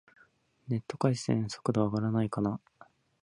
ネット回線、速度上がらないかな